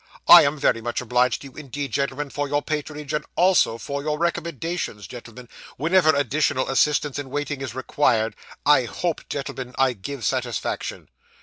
I am very much obliged to you indeed, gentlemen, for your patronage, and also for your recommendations, gentlemen, whenever additional assistance in waiting is required. I hope, gentlemen, I give satisfaction.